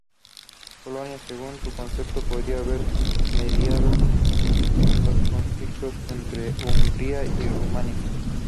Polonia, según su concepto, podría haber mediado en los conflictos entre Hungría y Rumania.